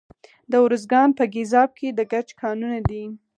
د ارزګان په ګیزاب کې د ګچ کانونه دي.